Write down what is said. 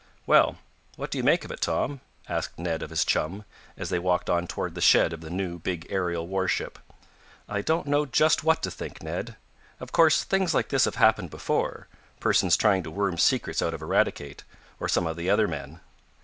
"Well, what do you make of it, Tom?" asked Ned of his chum, as they walked on toward the shed of the new, big aerial warship. "I don't know just what to think, Ned. Of course things like this have happened before persons trying to worm secrets out of Eradicate, or some of the other men."